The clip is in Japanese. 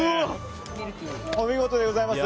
お見事でございます。